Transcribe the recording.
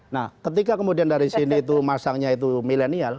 nah ketika kemudian dari sini itu masangnya itu milenial